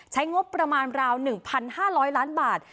ใช้งบประมาณราว๑๕๐๐ล้านบาท